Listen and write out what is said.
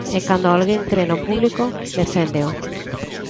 E cando alguén cre no público, deféndeo.